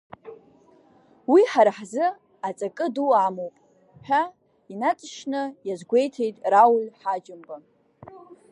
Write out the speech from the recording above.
Уи ҳара ҳзы аҵакы ду амоуп, ҳәа инаҵшьны иазгәеиҭеит Рауль Ҳаџьымба.